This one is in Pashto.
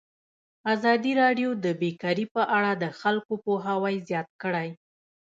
ازادي راډیو د بیکاري په اړه د خلکو پوهاوی زیات کړی.